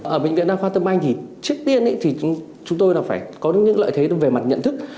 ở bệnh viện đa khoa tâm anh thì trước tiên thì chúng tôi là phải có những lợi thế về mặt nhận thức